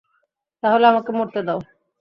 তাহলে আমাকে মরতে দাও।